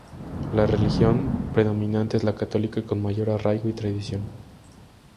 La religión predominante es la católica con mayor arraigo y tradición.